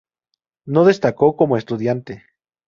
No destacó como estudiante.